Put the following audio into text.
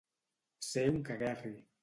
Ser un caguerri.